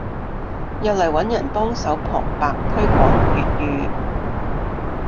又嚟揾人幫手旁白推廣粵語